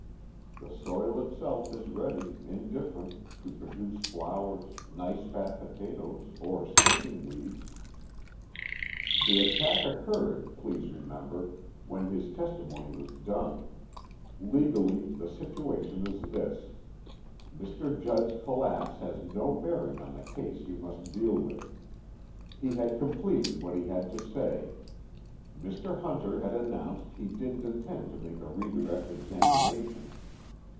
(The soil itself is ready, indifferent, to produce flowers, nice fat potatoes, or stinking weeds.) "The attack occurred, please remember, when his testimony was done. Legally the situation is this: Mr. Judd's collapse has no bearing on the case you must deal with. He had completed what he had to say; Mr. Hunter had announced he didn't intend to make a redirect examination.